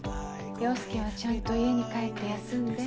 陽佑はちゃんと家に帰って休んで。